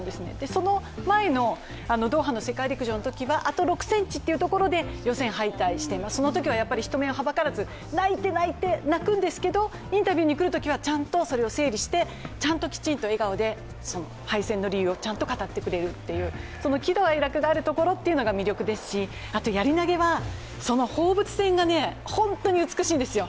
その前のドーハの世界陸上のときはあと６ｃｍというところで予選敗退して、そのときは人目をはばからず泣いて泣いて、泣くんですけど、インタビューに来るときはちゃんとそれを整理してきちんと笑顔で敗戦の理由をちゃんと語ってくれるという喜怒哀楽があるところが魅力ですし、やり投げは放物線が本当に美しいんですよ。